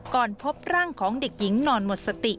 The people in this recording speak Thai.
พบร่างของเด็กหญิงนอนหมดสติ